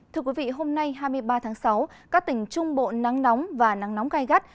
thưa quý vị hôm nay hai mươi ba tháng sáu các tỉnh trung bộ nắng nóng và nắng nóng gai gắt